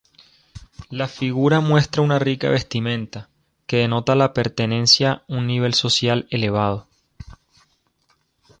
La figura muestra una rica vestimenta, que denota la pertenencia un nivel social elevado.